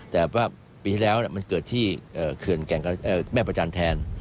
แต่ว่าปีที่แล้วมันเกิดที่แม่ประจานแทน